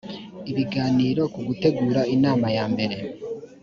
ibiganiro ku gutegura inama yambere